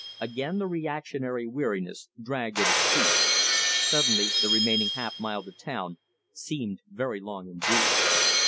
Again the reactionary weariness dragged at his feet. Suddenly the remaining half mile to town seemed very long indeed.